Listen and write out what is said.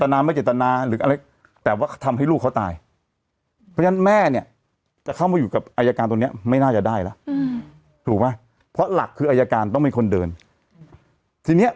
ในสารบริการที่เรียกว่าอาบอบนวดเนี่ย